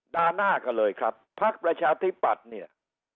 ด่าหน้ากันเลยครับภาคประชาธิบัติเนี้ย